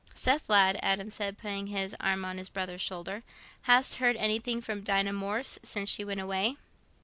"Seth, lad," Adam said, putting his arm on his brother's shoulder, "hast heard anything from Dinah Morris since she went away?"